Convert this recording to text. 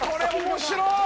面白い。